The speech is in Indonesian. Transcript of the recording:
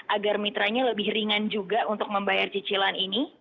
agar mitranya lebih ringan juga untuk membayar cicilan ini